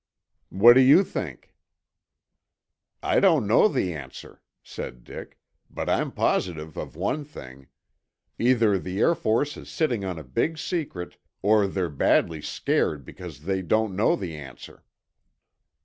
"What do you think?" "I don't know the answer," said Dick, "but I'm positive of one thing. Either the Air Force is sitting on a big secret, or they're badly scared because they don't know the answer."